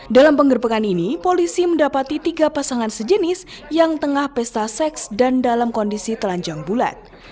dalam penggerbekan ini polisi mendapati tiga pasangan sejenis yang tengah pesta seks dan dalam kondisi telanjang bulat